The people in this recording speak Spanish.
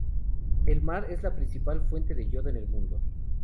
El mar es la principal fuente de Yodo en el mundo.